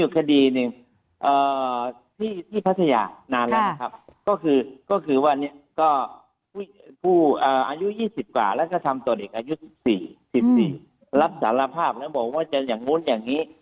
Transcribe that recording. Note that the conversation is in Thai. แล้วก็ทำตัวเด็กอายุ๑๔รับสารภาพแล้วบอกว่าจะอย่างม้วนอย่างนี้